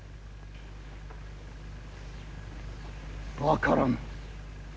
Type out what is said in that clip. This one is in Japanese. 分からん。